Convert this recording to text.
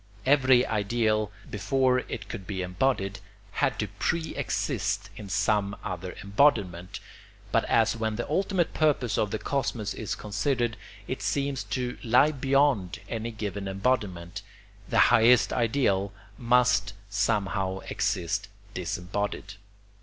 Every ideal, before it could be embodied, had to pre exist in some other embodiment; but as when the ultimate purpose of the cosmos is considered it seems to lie beyond any given embodiment, the highest ideal must somehow exist disembodied.